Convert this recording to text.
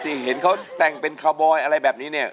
เห็นเขาแต่งเป็นคาร์บอยอะไรแบบนี้เนี่ย